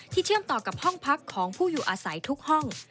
เชื่อมต่อกับห้องพักของผู้อยู่อาศัยทุกห้อง